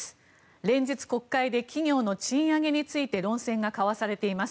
連日、国会で企業の賃上げについて論戦が交わされています。